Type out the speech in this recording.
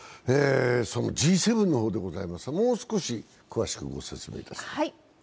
Ｇ７の方でございますが、もう少し詳しくご説明いたします。